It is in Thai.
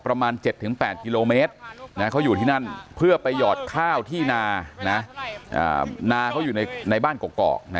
ประมาณ๗๘กิโลเมตรเขาอยู่ที่นั่นเพื่อไปหยอดข้าวที่นานาเขาอยู่ในบ้านเกาะ